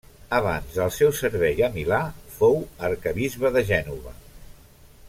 Abans del seu servei a Milà, fou arquebisbe de Gènova.